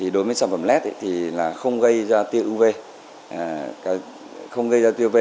đối với sản phẩm led thì không gây ra tiêu uv